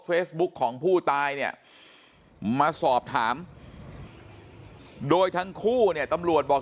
ของผู้ตายเนี่ยมาสอบถามโดยทั้งคู่เนี่ยตำรวจบอก